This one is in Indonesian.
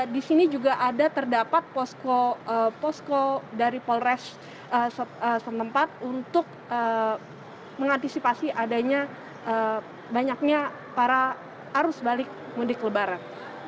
di sini juga ada terdapat posko dari polres setempat untuk mengantisipasi adanya banyaknya para arus balik mudik lebaran